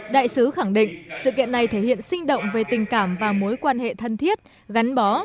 đại sứ khẳng định sự kiện này thể hiện sinh động về tình cảm và mối quan hệ thân thiết gắn bó